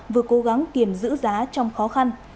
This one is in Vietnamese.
vừa cố gắng kiểm giữ giá trong khó khăn